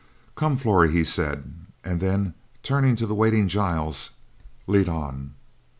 "Come, Flory," he said, and then, turning to the waiting Giles, "lead on."